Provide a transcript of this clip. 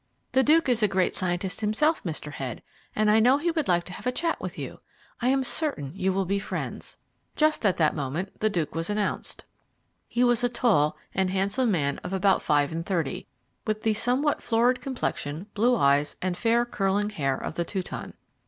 The Duke is a great scientist himself, Mr. Head, and I know he would like to have a chat with you. I am certain you will be friends." Just at that moment the Duke was announced. He was a tall and handsome man of about five and thirty, with the somewhat florid complexion, blue eyes, and fair, curling hair of the Teuton.